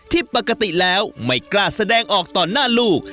ปกติแล้วไม่กล้าแสดงออกต่อหน้าลูก